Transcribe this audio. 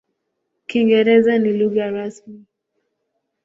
Kiingereza ni lugha rasmi.